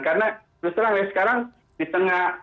karena sekarang di tengah